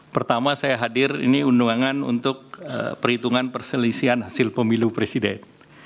pertama saya hadir ini undangan untuk perhitungan perselisihan hasil pemilu presiden